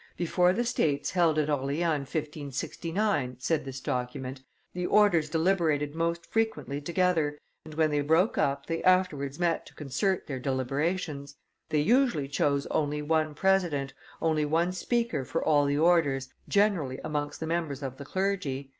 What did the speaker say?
"Before the States held at Orleans in 1569," said this document, "the orders deliberated most frequently together, and, when they broke up, they afterwards met to concert their deliberations; they usually chose only one president, only one speaker for all the orders, generally amongst the members of the clergy.